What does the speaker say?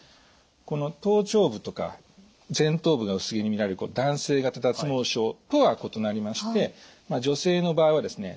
この頭頂部とか前頭部が薄毛にみられる男性型脱毛症とは異なりまして女性の場合はですね